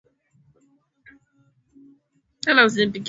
Tutakapokuwa tayari shughuli kwa hizi tuweze kufanya wenyewe